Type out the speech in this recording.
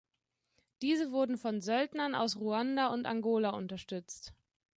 Diese wurden von Söldnern aus Ruanda und Angola unterstützt.